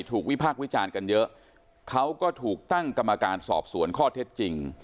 วิพากษ์วิจารณ์กันเยอะเขาก็ถูกตั้งกรรมการสอบสวนข้อเท็จจริง